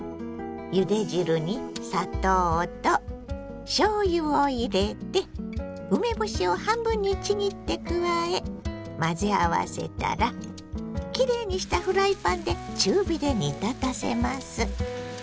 ゆで汁に砂糖としょうゆを入れて梅干しを半分にちぎって加え混ぜ合わせたらきれいにしたフライパンで中火で煮立たせます。